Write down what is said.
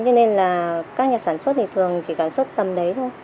cho nên là các nhà sản xuất thì thường chỉ sản xuất tầm đấy thôi